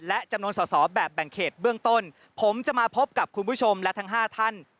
และจำนวนสอสอแบบแบ่งเขตเบื้องต้นผมจะมาพบกับคุณผู้ชมและทั้ง๕ท่าน